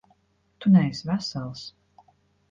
Tu neesi vesels.